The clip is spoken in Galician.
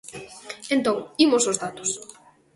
Entón, imos aos datos.